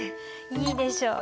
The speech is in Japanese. いいでしょう？